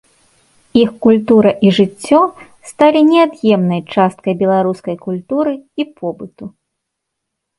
Іх культура і жыццё сталі неад'емнай часткай беларускай культуры і побыту.